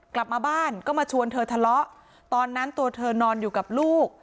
กลับมาบ้านก็มาชวนเธอทะเลาะตอนนั้นตัวเธอนอนอยู่กับลูก